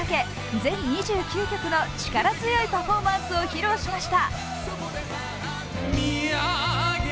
全２９曲の力強いパフォーマンスを披露しました。